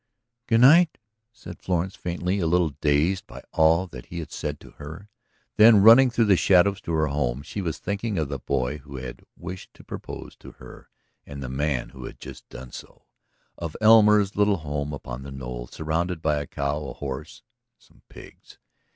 "Good night," said Florence faintly, a little dazed by all that he had said to her. Then, running through the shadows to her home, she was thinking of the boy who had wished to propose to her and of the man who had done so; of Elmer's little home upon the knoll surrounded by a cow, a horse, and some pigs